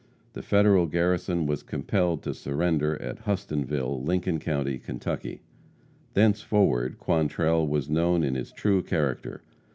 The Federal garrison was compelled to surrender at Hustonville, Lincoln county, Kentucky. Thenceforward Quantrell was known in his true character.